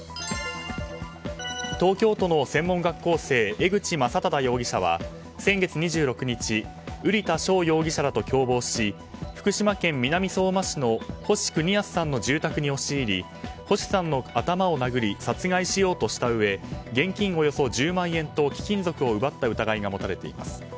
東京都の専門学校生江口将匡容疑者は先月２６日瓜田翔容疑者らと共謀し福島県南相馬市の星邦康さんの住宅に押し入り星さんの頭を殴り殺害しようとしたうえ現金およそ１０万円と貴金属を奪った疑いが持たれています。